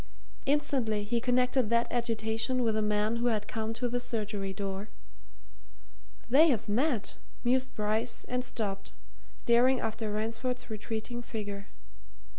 Instantly he connected that agitation with the man who had come to the surgery door. "They've met!" mused Bryce, and stopped, staring after Ransford's retreating figure.